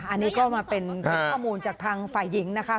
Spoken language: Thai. อันนี้ก็มาเป็นข้อมูลจากทางฝ่ายหญิงนะคะ